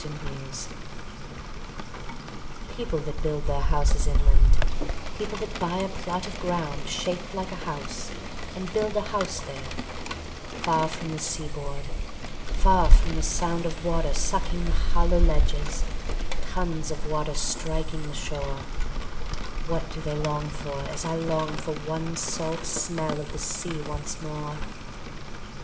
INLAND People that build their houses inland, People that buy a plot of ground Shaped like a house, and build a house there, Far from the sea board, far from the sound Of water sucking the hollow ledges, Tons of water striking the shore, What do they long for, as I long for One salt smell of the sea once more?